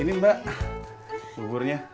ini mbak buburnya